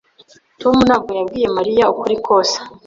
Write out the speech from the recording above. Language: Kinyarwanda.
Tom ntabwo yabwiye Mariya ukuri kose.